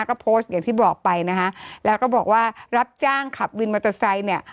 ก็โพสต์อย่างที่บอกไปนะคะแล้วก็บอกว่ารับจ้างขับวินมอเตอร์ไซค์เนี่ย